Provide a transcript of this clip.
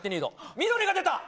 緑が出た。